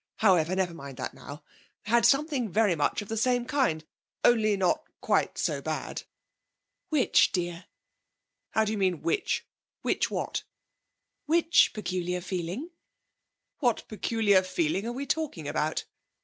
However, never mind that now) had something very much of the same kind, only not quite so bad.' 'Which, dear?' 'How do you mean "Which"? Which what?' 'Which peculiar feeling?' 'What peculiar feeling are we talking about?'